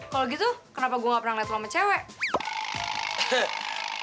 kalo gitu kenapa gue gak pernah liat lo sama cewek